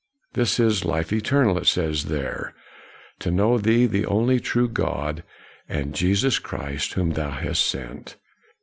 ''" This is life eternal," it says there, " to know Thee the only true God, and Jesus Christ whom Thou hast sent."